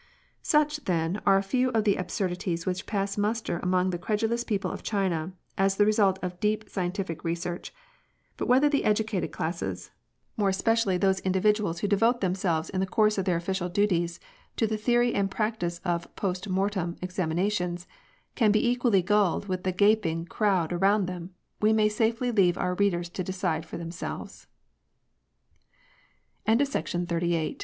Such, then, are a few of the absurdities which pass muster among the credulous people of China as the result of deep scientific research ; but whether the educated classes — more especially those individuals INQUESTS. 187 who devote themselves in the course of their official duties to the theory and practice of 'post mortem examinations — can be equally gulled with the gaping crowd around them, we may safely leave our readers